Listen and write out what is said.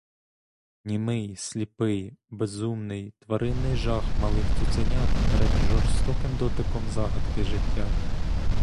Німий, сліпий, безумний, тваринний жах малих цуценят перед жорстоким дотиком загадки життя.